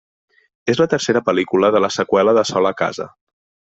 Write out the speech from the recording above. És la tercera pel·lícula de la seqüela de Sol a casa.